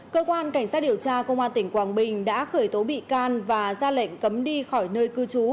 cơ quan cảnh sát điều tra công an tỉnh quảng bình đã khởi tố bị can và ra lệnh cấm đi khỏi nơi cư trú